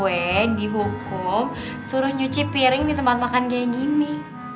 gue udah ngelakuin buku suruh nyuci piring di tempat makan kayak gini